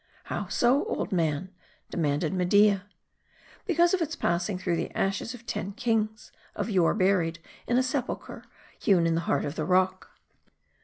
"How so, old man?" demanded 'Media. " Because of its passing through the ashes of ten kings, of yore buried in a sepulcher, hewn in the heart of the rock."